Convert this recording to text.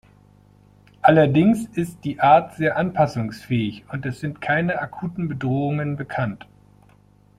Allerdings ist die Art sehr anpassungsfähig, und es sind keine akuten Bedrohungen bekannt.